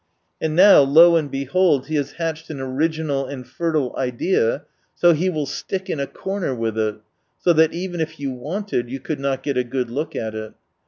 And now lo and behold he has hatched an original and fertile idea, so he will stick in a corner with it, so that even if you wanted you could not get a good look at it.